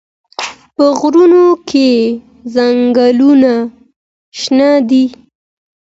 په غرونو کې ځنګلونه شنه دي.